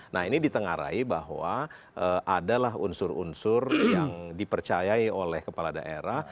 nah ini ditengarai bahwa adalah unsur unsur yang dipercayai oleh kepala daerah